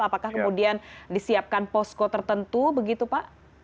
apakah kemudian disiapkan posko tertentu begitu pak